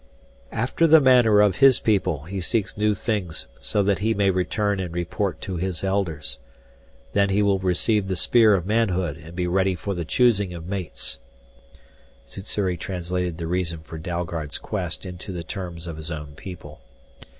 "After the manner of his people he seeks new things so that he may return and report to his Elders. Then he will receive the spear of manhood and be ready for the choosing of mates," Sssuri translated the reason for Dalgard's quest into the terms of his own people.